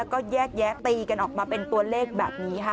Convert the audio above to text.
วิเคราะห์แล้วก็แยกตีกันออกมาเป็นตัวเลขแบบนี้ค่ะ